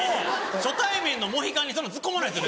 初対面のモヒカンにそんなツッコまないですよ